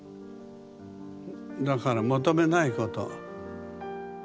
だから求めないこと。